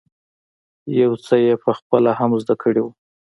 يو څه یې په خپله هم زده کړی وو.